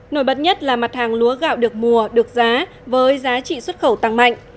nổi bật nhất là mặt hàng lúa gạo được mùa được giá với giá trị xuất khẩu tăng mạnh